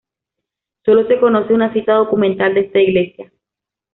Sólo se conoce una cita documental de esta iglesia.